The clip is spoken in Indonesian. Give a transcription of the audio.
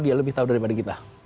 dia lebih tahu daripada kita